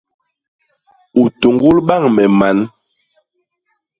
U tuñgul bañ me man.